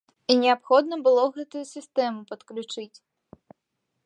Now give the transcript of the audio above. І неабходна было гэтую сістэму падключыць.